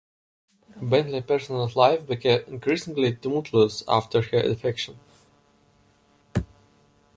Bentley's personal life became increasingly tumultuous after her defection.